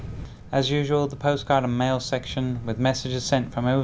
các quốc gia trong việt nam sẽ kết thúc chương trình của mình hôm nay